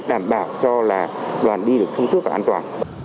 đảm bảo cho là đoàn đi được thông suốt và an toàn